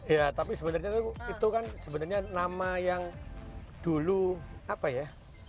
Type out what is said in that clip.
ya tapi sebenarnya itu kan sebenarnya nama yang dulu apa ya